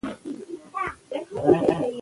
وادي د افغانستان د جغرافیایي موقیعت پایله ده.